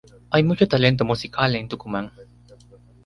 Hay mucho talento musical en Tucumán.